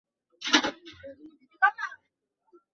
সে অন্য মেয়েদের মতো ছিল না।